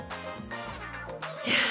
じゃあ。